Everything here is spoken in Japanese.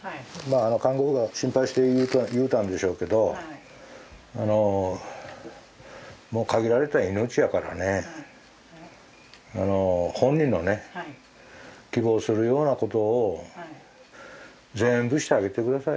看護婦が心配して言うたんでしょうけどもう限られた命やからね本人の希望するようなことを全部してあげて下さい。